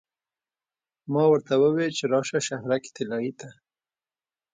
ما ورته وویل چې راشه شهرک طلایې ته.